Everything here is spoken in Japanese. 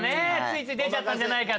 ついつい出ちゃったんじゃないか。